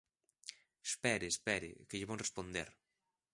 Espere, espere, que lle vou responder.